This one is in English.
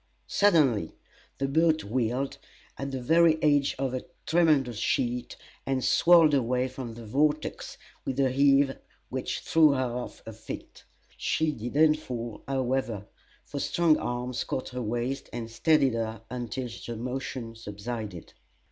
Suddenly the boat wheeled, at the very edge of the tremendous sheet, and swirled away from the vortex with a heave which threw her off her feet. She did not fall, however; for strong arms caught her waist and steadied her until the motion subsided.